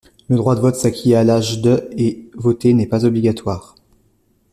Le droit de vote s'acquiert à l'âge de et voter n'est pas obligatoire.